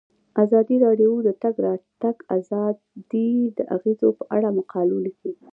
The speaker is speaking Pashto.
ازادي راډیو د د تګ راتګ ازادي د اغیزو په اړه مقالو لیکلي.